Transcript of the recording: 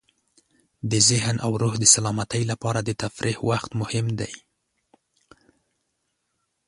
د ذهن او روح د سلامتۍ لپاره د تفریح وخت مهم دی.